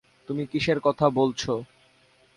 তুমি কিসের কথা বলছো?